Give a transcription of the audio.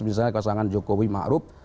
misalnya kesalahan jokowi ma'ruf